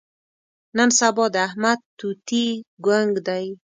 نن سبا د احمد توتي ګونګ دی.